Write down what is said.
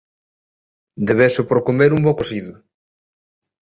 Devezo por comer un bo cocido